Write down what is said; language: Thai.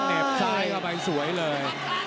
เหน็บไซด์เข้าไปสวยเลย